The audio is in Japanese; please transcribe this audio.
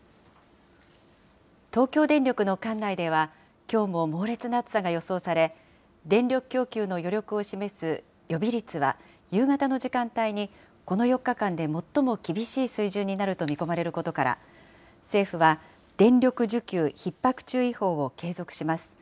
東京電力の管内では、きょうも猛烈な暑さが予想され、電力供給の余力を示す予備率は、夕方の時間帯にこの４日間で最も厳しい水準になると見込まれることから、政府は、電力需給ひっ迫注意報を継続します。